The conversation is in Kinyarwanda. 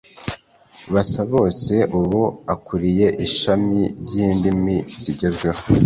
Basabose ubu akuriye ishami ry’Indimi zigezweho